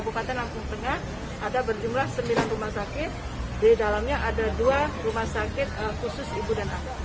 di dalamnya ada dua rumah sakit khusus ibu dan anak